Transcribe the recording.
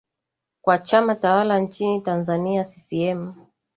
kwa chama tawala nchini tanzania ccm